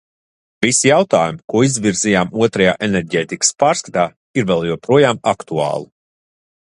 Visi jautājumi, ko izvirzījām Otrajā enerģētikas pārskatā, ir vēl joprojām aktuāli.